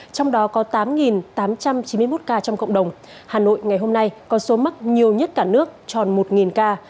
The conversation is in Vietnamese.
trong đó có tám tám trăm chín mươi một ca trong cộng đồng hà nội ngày hôm nay có số mắc nhiều nhất cả nước tròn một ca